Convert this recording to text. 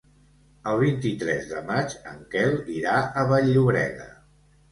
El vint-i-tres de maig en Quel irà a Vall-llobrega.